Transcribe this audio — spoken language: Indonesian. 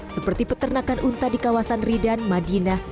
seperti peternakan unta di kawasan ridan madinah